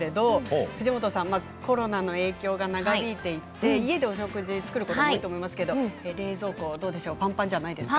藤本さん、コロナの影響で長引いていて家でお食事を作ることが多いと思いますが冷蔵庫ぱんぱんじゃないですか？